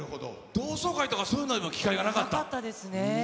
同窓会とかそういうのでも機なかったですね。